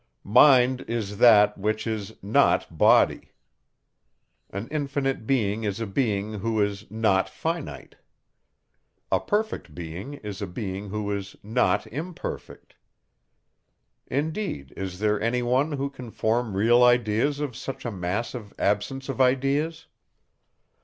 Mind is that, which is not body. An infinite being is a being, who is not finite. A perfect being is a being, who is not imperfect. Indeed, is there any one, who can form real ideas of such a mass of absence of ideas?